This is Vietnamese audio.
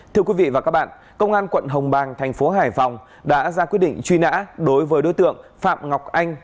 thưa quý vị và các bạn công an quận hồng bàng thành phố hải phòng đã ra quyết định truy nã đối với đối tượng phạm ngọc anh